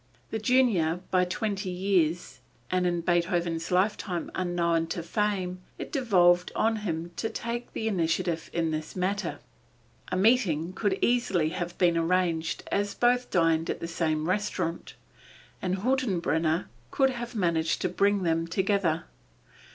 The junior by twenty years, and in Beethoven's lifetime unknown to fame, it devolved on him to take the initiative in this matter. A meeting could easily have been arranged as both dined at the same restaurant, and Hüttenbrenner could have managed to bring them together.